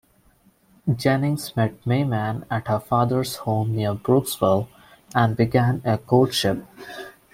Jennings met May Mann at her father's home near Brooksville, and began a courtship.